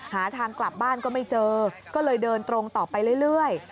หาทางกลับบ้านก็ไม่เจอก็เลยเดินตรงต่อไปเรื่อย